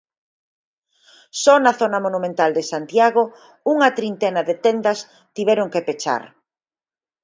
Só na zona monumental de Santiago unha trintena de tendas tiveron que pechar.